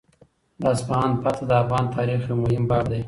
د اصفهان فتحه د افغان تاریخ یو مهم باب دی.